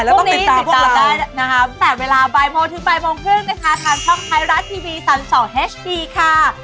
ค่ะพรุ่งนี้ติดตามได้นะคะแต่เวลาบ่ายโมทึกบ่ายโมงครึ่งนะคะทางช่องไทยรัฐทีวีสัน๒ฮดีค่ะ